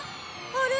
あれ？